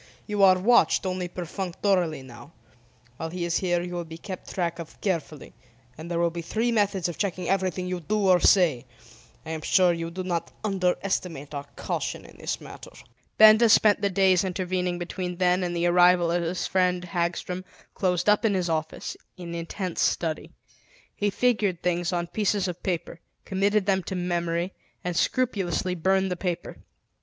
You are watched only perfunctorily now. While he is here you will be kept track of carefully, and there will be three methods of checking everything you do or say. I am sure you do not underestimate our caution in this matter." Benda spent the days intervening between then and the arrival of his friend Hagstrom, closed up in his office, in intense study. He figured things on pieces of paper, committed them to memory, and scrupulously burned the paper.